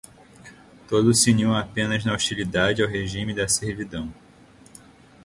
Todos se uniam apenas na hostilidade ao regime da servidão